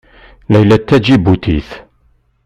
Layla d Taǧibutit.